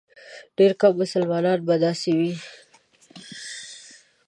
ډېر کم مسلمانان به داسې وي.